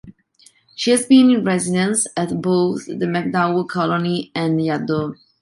She has been in residence at both the MacDowell Colony and Yaddo.